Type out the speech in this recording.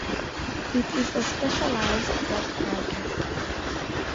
It is a specialized wet market.